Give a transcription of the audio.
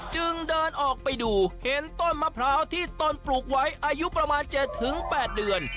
จึงเดินออกไปดูเห็นต้นมะพร้าวที่ต้นปลูกไว้อายุประมาณ๗๘เดือน